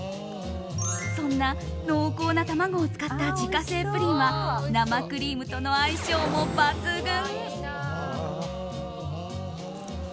そんな濃厚な卵を使った自家製プリンは生クリームとの相性も抜群。